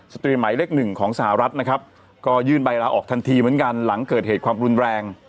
ตรีหมายเลขหนึ่งของสหรัฐนะครับก็ยื่นใบลาออกทันทีเหมือนกันหลังเกิดเหตุความรุนแรง